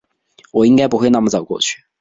我应该不会那么早过去